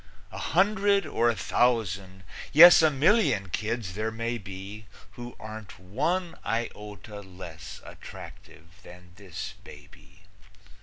A hundred or a thousand, yes, A million kids there may be Who aren't one iota less Attractive than this baby.